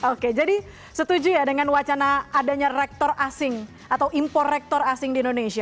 oke jadi setuju ya dengan wacana adanya rektor asing atau impor rektor asing di indonesia